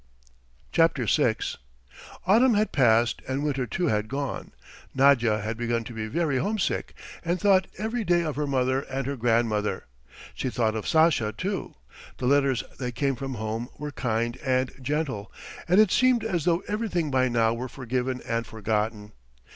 VI Autumn had passed and winter, too, had gone. Nadya had begun to be very homesick and thought every day of her mother and her grandmother; she thought of Sasha too. The letters that came from home were kind and gentle, and it seemed as though everything by now were forgiven and forgotten.